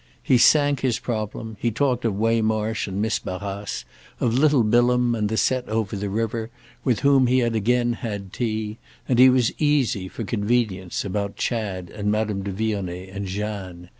He sank his problem, he talked of Waymarsh and Miss Barrace, of little Bilham and the set over the river, with whom he had again had tea, and he was easy, for convenience, about Chad and Madame de Vionnet and Jeanne.